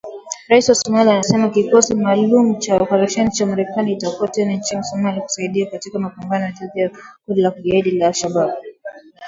Rais wa Somalia anasema kikosi maalum cha operesheni cha Marekani kitakuwa tena nchini Somalia kusaidia katika mapambano dhidi ya kundi la kigaidi la al-Shabaab